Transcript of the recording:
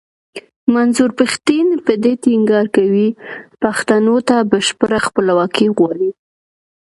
منظور پښتين په دې ټينګار کوي پښتنو ته بشپړه خپلواکي غواړي.